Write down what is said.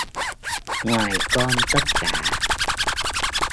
Ngoài con tất cả